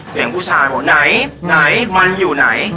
เสียงผู้ชายว่าไหนมันอยู่ไหน